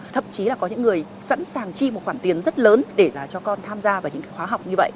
thậm chí là có những người sẵn sàng chi một khoản tiền rất lớn để cho con tham gia vào những khóa học như vậy